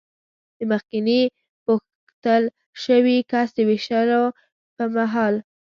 د مخکېني پوښتل شوي کس د وېشتلو پر مهال.